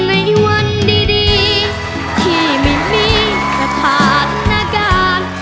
ในวันดีที่ไม่มีสถานการณ์